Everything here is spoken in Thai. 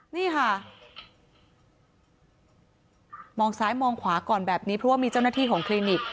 นี่ค่ะมองซ้ายมองขวาก่อนแบบนี้เพราะว่ามีเจ้าหน้าที่ของคลินิก